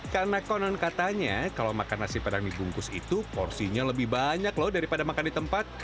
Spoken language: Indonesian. karena konon katanya kalau makan nasi padang dibungkus itu porsinya lebih banyak loh daripada makan di tempat